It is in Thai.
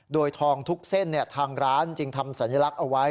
โดยทองทุกเส้นทางร้านจึงทำสัญลักษณ์เอาไว้